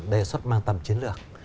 đề xuất mang tầm chiến lược